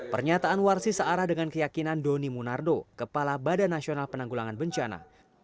pernyataan warsi searah dengan keyakinan doni munardo kepala badan nasional penanggulangan bencana